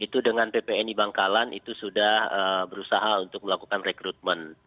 itu dengan ppni bangkalan itu sudah berusaha untuk melakukan rekrutmen